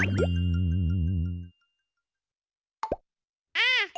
あっ！